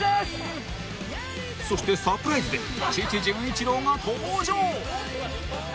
そして、サプライズで父・純一郎が登場。